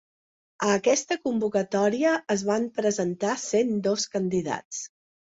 A aquesta convocatòria es van presentar cent dos candidats.